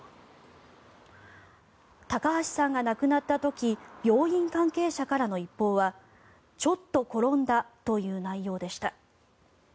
高橋さんが亡くなった時病院関係者からの一報はちょっと転んだという内容でした。